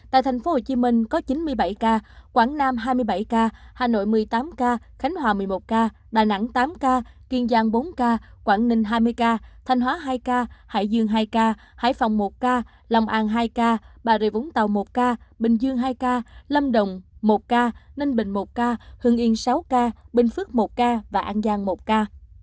tại thành phố hồ chí minh có chín mươi bảy ca quảng nam hai mươi bảy ca hà nội một mươi tám ca khánh hòa một mươi một ca đà nẵng tám ca kiên giang bốn ca quảng ninh hai mươi ca thanh hóa hai ca hải dương hai ca hải phòng một ca lòng an hai ca bà rịa vũng tàu một ca bình dương hai ca lâm đồng một ca ninh bình một ca hương yên sáu ca bình phước một ca và an giang một ca